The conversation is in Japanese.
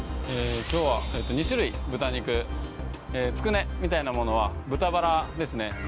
今日は２種類豚肉つくねみたいなものは豚バラですね